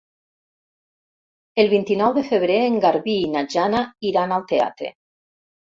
El vint-i-nou de febrer en Garbí i na Jana iran al teatre.